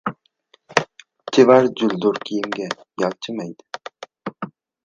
• Chevar juldur kiyimga yalchimaydi.